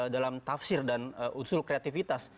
dalam tafsir dan unsur kreativitas